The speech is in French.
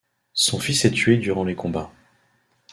Son fils est tué durant les combats.